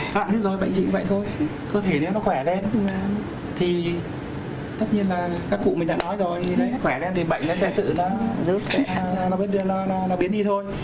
thật ra bệnh dịch cũng vậy thôi cơ thể nó khỏe lên thì tất nhiên là các cụ mình đã nói rồi khỏe lên thì bệnh nó sẽ tự nó biến đi thôi